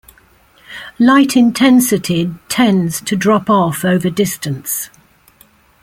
Light intensity tends to drop off over distance.